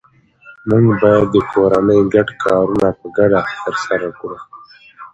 موږ باید د کورنۍ ګډ کارونه په ګډه ترسره کړو